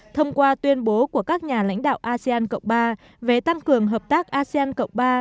thông qua tuyên bố của các nhà lãnh đạo asean cộng ba về tăng cường hợp tác asean cộng ba